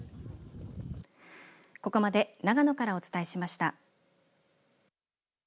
ここまで長野からお伝えしました。